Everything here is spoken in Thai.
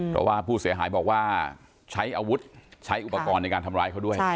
เพราะว่าผู้เสียหายบอกว่าใช้อาวุธใช้อุปกรณ์ในการทำร้ายเขาด้วย